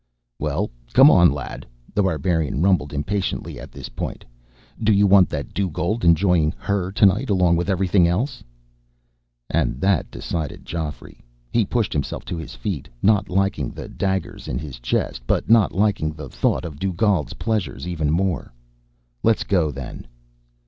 "Well, come on, lad," The Barbarian rumbled impatiently at this point. "Do you want that Dugald enjoying her tonight along with everything else?" And that decided Geoffrey. He pushed himself to his feet, not liking the daggers in his chest, but not liking the thought of Dugald's pleasures even more. "Let's go, then."